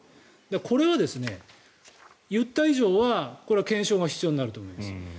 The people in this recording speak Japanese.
これは言った以上はこれは検証が必要になると思います。